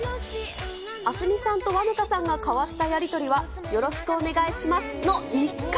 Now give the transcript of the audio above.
アスミさんと和ぬかさんが交わしたやり取りは、よろしくお願いしますの１回。